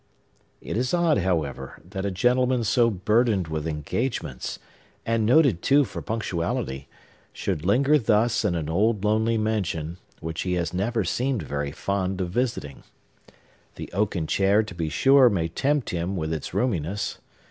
It is odd, however, that a gentleman so burdened with engagements,—and noted, too, for punctuality,—should linger thus in an old lonely mansion, which he has never seemed very fond of visiting. The oaken chair, to be sure, may tempt him with its roominess.